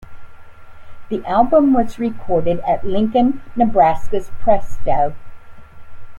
The album was recorded at Lincoln, Nebraska's Presto!